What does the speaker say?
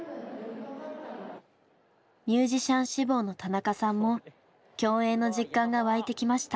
ミュージシャン志望の田中さんも共演の実感が湧いてきました。